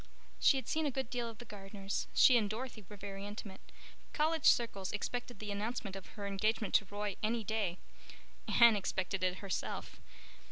She had seen a good deal of the Gardners; she and Dorothy were very intimate; college circles expected the announcement of her engagement to Roy any day. Anne expected it herself.